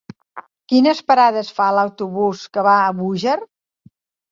Quines parades fa l'autobús que va a Búger?